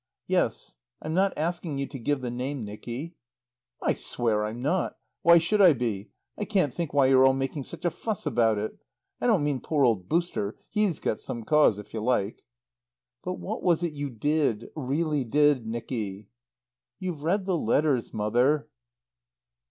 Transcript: "Yes. I'm not asking you to give the name, Nicky." "I swear I'm not. Why should I be? I can't think why you're all making such a fuss about it. I don't mean poor old 'Booster.' He's got some cause, if you like." "But what was it you did really did, Nicky?" "You've read the letters, Mother."